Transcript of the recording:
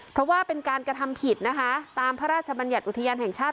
เพราะว่าเป็นการกระทำผิดนะคะตามพระราชบัญญัติอุทยานแห่งชาติ